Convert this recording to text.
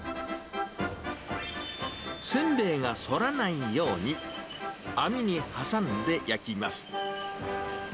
せんべいが反らないように、網に挟んで焼きます。